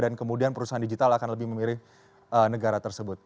dan kemudian perusahaan digital akan lebih memilih negara tersebut